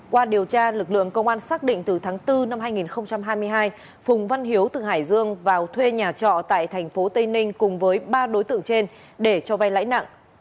qua điều tra lực lượng công an xác định từ tháng bốn năm hai nghìn hai mươi hai phùng văn hiếu từ hải dương vào thuê nhà trọ tại tp tây ninh cùng với ba đối tượng trên để cho vay lãi nặng